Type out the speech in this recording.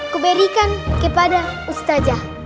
kuberikan kepada ustadzah